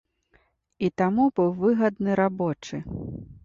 І таму быў выгадны рабочы.